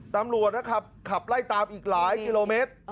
ตำรวจนะครับขับไล่ตามอีกหลายกิโลเมตร